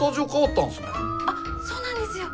あっそうなんですよ！